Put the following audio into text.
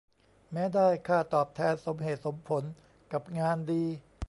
แม้ได้ค่าตอบแทนสมเหตุสมผลกับงานดี